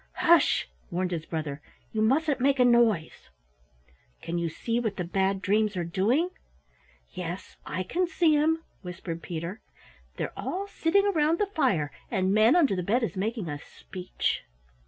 "Hush," warned his brother, "you mustn't make a noise! Can you see what the Bad Dreams are doing?" "Yes, I can see 'em," whispered Peter. "They're all sitting round the fire and Manunderthebed is making a speech."